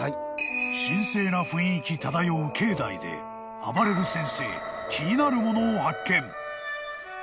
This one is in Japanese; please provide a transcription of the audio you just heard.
［神聖な雰囲気漂う境内であばれる先生気になるものを発見］